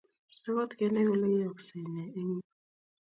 Agot Kenay kole yoyosgee ne eng yuu